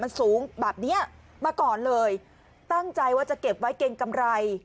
มันสูงแบบเนี้ยมาก่อนเลยตั้งใจว่าจะเก็บไว้เกรงกำไร